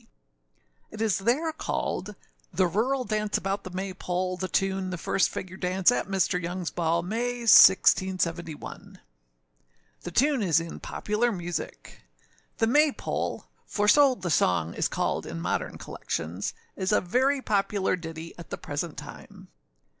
It is there called The Rural Dance about the May pole, the tune, the first figure dance at Mr. Youngâs ball, May, 1671. The tune is in Popular Music. The May pole, for so the song is called in modern collections, is a very popular ditty at the present time.